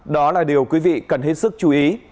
đó là điều quý vị cần hết sức chú ý